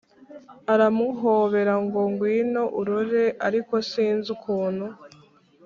aramuhobera ngo gwino urore ariko sinzi ukuntu